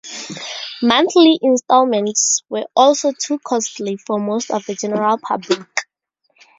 Monthly installments were also too costly for most of the general public.